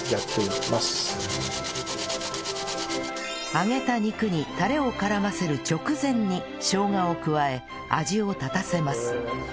揚げた肉にタレを絡ませる直前にしょうがを加え味を立たせます